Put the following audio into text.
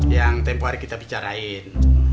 yang tempoh hari kita bicarain